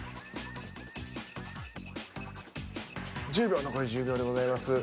１０秒残り１０秒でございます。